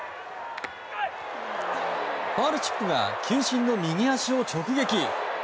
ファウルチップが球審の右足を直撃。